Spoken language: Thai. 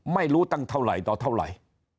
ไม่รู้ตั้งเท่าไหร่ต่อเท่าไหร่